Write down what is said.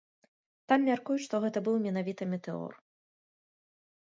Там мяркуюць, што гэта быў менавіта метэор.